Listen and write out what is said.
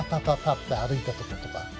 ッて歩いたとことか。